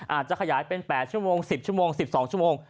อาจจะขยายเป็น๘ชั่วโมง๑๐ชั่วโมง๑๒ชั่วโมง